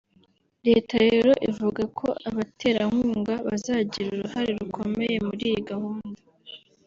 Leta rero ivuga ko abaterankunga bazagira uruhare rukomeye muri iyi gahunda